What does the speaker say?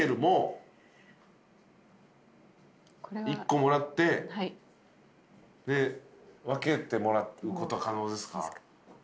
１個もらって分けてもらうことは可能ですか？